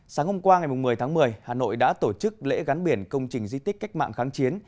sáng hôm qua ngày một mươi tháng một mươi hà nội đã tổ chức lễ gắn biển công trình di tích cách mạng kháng chiến